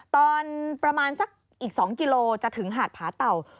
ตอนประมาณสักอีก๒กิโลจะถึงหาดผาเต่า